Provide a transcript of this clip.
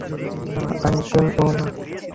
না, uncle oh না!